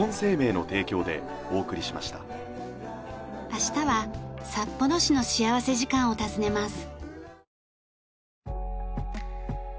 明日は札幌市の幸福時間を訪ねます。